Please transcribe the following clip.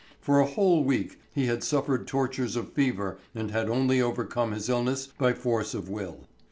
For a whole week he had suffered tortures of fever and had only overcome his illness by force of will.